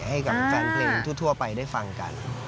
ให้กับแฟนเพลงทั่วไปได้ฟังกัน